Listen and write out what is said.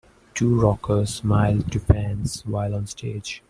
Two rockers smile to fans while on stage.